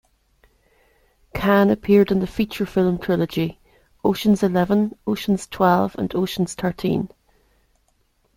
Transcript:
Caan appeared in the feature film trilogy "Ocean's Eleven", "Ocean's Twelve", and "Ocean's Thirteen".